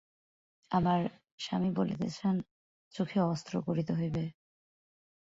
আমার স্বামী বলিতেছেন, চোখে অস্ত্র করিতে হইবে।